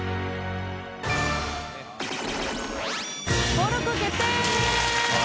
登録決定！